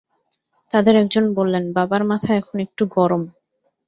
তাঁদের একজন বললেন, বাবার মাথা এখন একটু গরম।